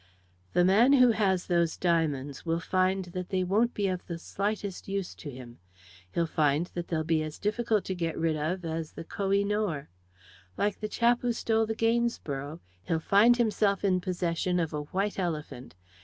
"The man who has those diamonds will find that they won't be of the slightest use to him. He'll find that they'll be as difficult to get rid of as the Koh i Nor. Like the chap who stole the Gainsborough, he'll find himself in possession of a white elephant.